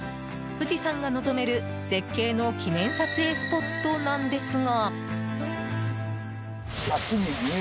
富士山が望める絶景の記念撮影スポットなんですが。